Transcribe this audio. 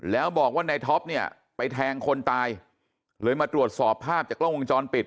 แล้วบอกว่าในท็อปเนี่ยไปแทงคนตายเลยมาตรวจสอบภาพจากกล้องวงจรปิด